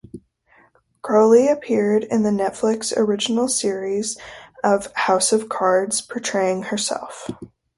Crowley appeared in the Netflix original series of "House of Cards", portraying herself.